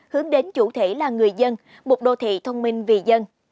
hướng đến chủ thể là người dân một đô thị thông minh vì dân